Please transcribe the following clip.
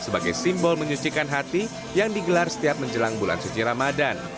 sebagai simbol menyucikan hati yang digelar setiap menjelang bulan suci ramadan